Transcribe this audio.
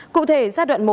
cụ thể giai đoạn một